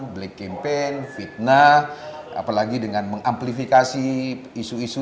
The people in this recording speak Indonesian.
black campaign fitnah apalagi dengan mengamplifikasi isu isu